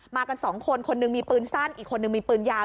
กันสองคนคนหนึ่งมีปืนสั้นอีกคนนึงมีปืนยาว